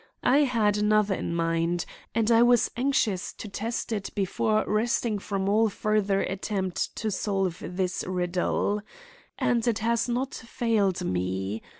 I had another in mind, and I was anxious to test it before resting from all further attempt to solve this riddle. And it has not failed me.